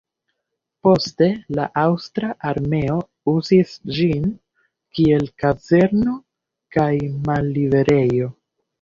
Poste la aŭstra armeo uzis ĝin kiel kazerno kaj malliberejo.